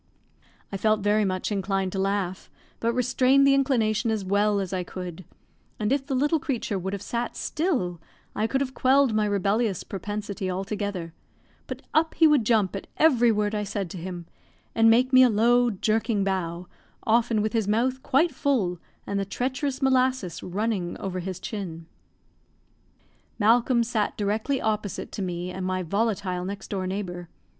I felt very much inclined to laugh, but restrained the inclination as well as I could and if the little creature would have sat still, I could have quelled my rebellious propensity altogether; but up he would jump at every word I said to him, and make me a low, jerking bow, often with his mouth quite full, and the treacherous molasses running over his chin. Malcolm sat directly opposite to me and my volatile next door neighbour.